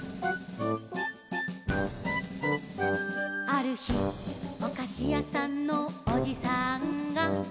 「あるひおかしやさんのおじさんが」